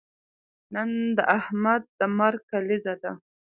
نن د احمد د مرګ کلیزه ده.